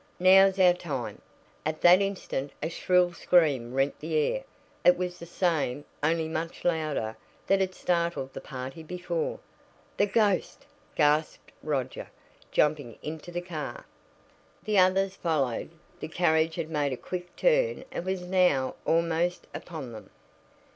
"Now's our time!" At that instant a shrill scream rent the air. It was the same, only much louder, that had startled the party before. "The ghost!" gasped Roger, jumping into the car. The others followed. The carriage had made a quick turn and was now almost upon them.